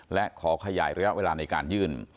และขอขยายระยะเวลาในการยื่น